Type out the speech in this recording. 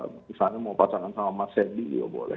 misalnya mau pacaran sama mas sedi juga boleh